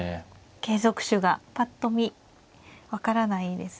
継続手がぱっと見分からないですね。